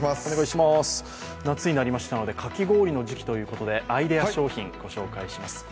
夏になりましたのでかき氷の時期ということでアイデア商品、ご紹介します。